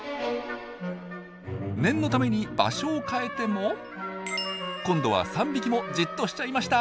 念のために場所を変えても今度は３匹もじっとしちゃいました！